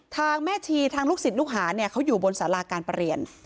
แม่ชีทางลูกศิษย์ลูกหาเนี่ยเขาอยู่บนสาราการประเรียน